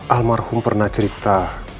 almarhum pernah cerita